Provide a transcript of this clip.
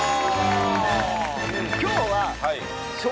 今日は。